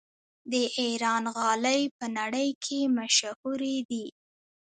د ایران غالۍ په نړۍ کې مشهورې دي.